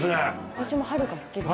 私もはるか好きです。